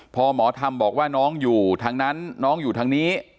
พอหมอธรรมบอกว่าน้องอยู่ทางนั้นน้องอยู่ทางนี้